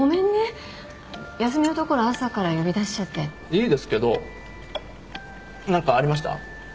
いいですけど何かありました？